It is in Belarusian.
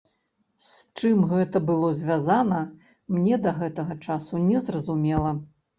З чым гэта было звязана, мне да гэтага часу не зразумела.